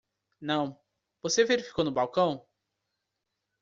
Não, você verificou no balcão?